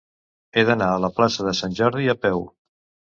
He d'anar a la plaça de Sant Jordi a peu.